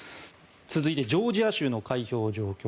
続いてジョージア州の開票状況。